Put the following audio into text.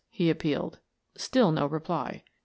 he appealed. Still no reply.